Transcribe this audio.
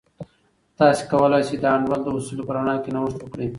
تاسې کولای سئ د انډول د اصولو په رڼا کې نوښت وکړئ.